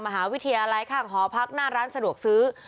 มหาวิทยาลัยข้างหอพักหน้าร้านสะดวกซื้อ